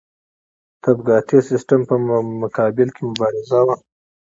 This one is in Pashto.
طبقاتي سیستم په مقابل کې مبارزه وه.